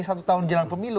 satu tahun jalan pemilu